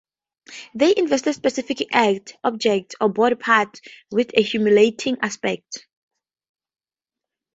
They invest specific acts, objects, or body parts with a humiliating aspect.